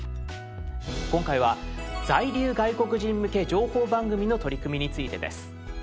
今回は「在留外国人向け情報番組」の取り組みについてです。